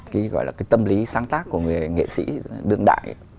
cái gọi là cái tâm lý sáng tác của người nghệ sĩ đương đại